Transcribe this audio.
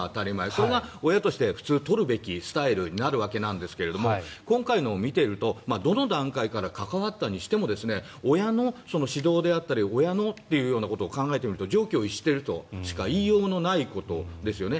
それが親として普通取るべきスタンスなわけですが今回のを見ているとどの段階から関わったにしても親の指導であったり親のということを考えてみると常軌を逸しているとしか言いようのないことですよね。